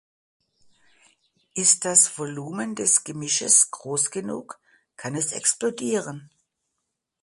Ist das Volumen des Gemisches groß genug, kann es explodieren.